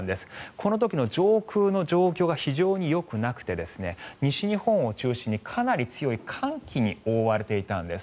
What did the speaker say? この時の上空の状況が非常によくなくて西日本を中心にかなり強い寒気に覆われていたんです。